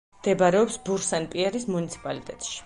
მდებარეობს ბურ-სენ-პიერის მუნიციპალიტეტში.